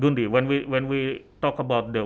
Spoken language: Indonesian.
gundy ketika kita bicara tentang